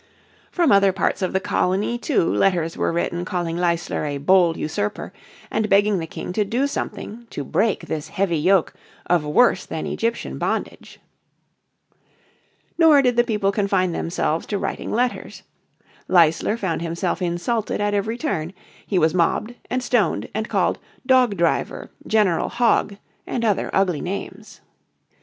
From other parts of the colony too letters were written calling Leisler a bold usurper, and begging the King to do something "to break this heavy yoke of worse than Egyptian bondage." Nor did the people confine themselves to writing letters. Leisler found himself insulted at every turn. He was mobbed, and stoned, and called "Dog Driver," "General Hog" and other ugly names.